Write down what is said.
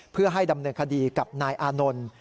เพื่อให้ดำเนินคดีกับนายอานนท์